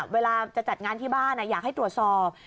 เวลาจะจัดงานที่บ้านอยากให้ตรวจสอบ